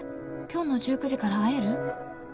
今日の１９時から会える？」。